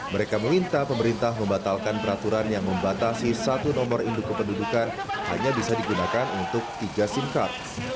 mereka meminta pemerintah membatalkan peraturan yang membatasi satu nomor induk kependudukan hanya bisa digunakan untuk tiga sim car